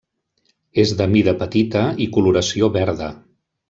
És de mida petita i coloració verda.